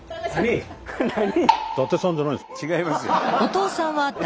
違いますよ。